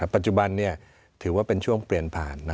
ปัจจุบันถือว่าเป็นช่วงเปลี่ยนผ่าน